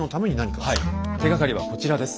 手がかりはこちらです。